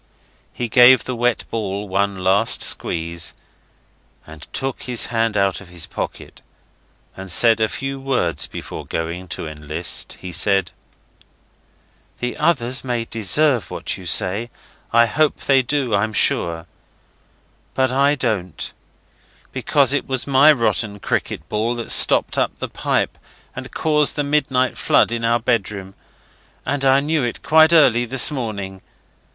He gave the wet ball one last squeeze, and took his hand out of his pocket, and said a few words before going to enlist. He said 'The others may deserve what you say. I hope they do, I'm sure. But I don't, because it was my rotten cricket ball that stopped up the pipe and caused the midnight flood in our bedroom. And I knew it quite early this morning.